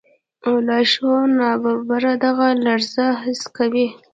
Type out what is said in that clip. لاشعور ناببره دغه لړزه حس کوي.